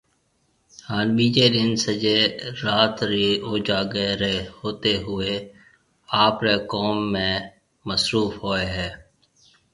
هان ٻيجي ڏن سجي رات ري اوجاگي ري هوتي هوئي آپري ڪم ۾ مصروف هوئي هي